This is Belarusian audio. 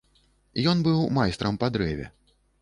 Ён быў майстрам па дрэве.